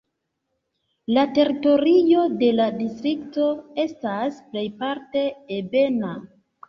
La teritorio de la distrikto estas plejparte ebena.